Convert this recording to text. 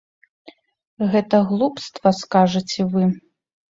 Гэта глупства, скажаце вы.